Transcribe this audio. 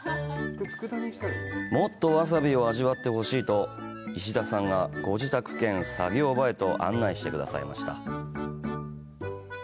もっとわさびを味わってほしいと石田さんがご自宅兼作業場へと案内してくださいました。